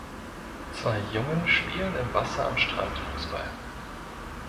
Zwei Jungen spielen im Wasser am Strand Fußball.